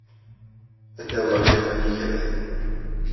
Ad d-awiɣ kra n yigraten.